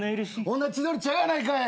ほな千鳥ちゃうやないかい。